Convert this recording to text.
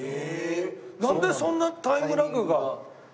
なんでそんなタイムラグが？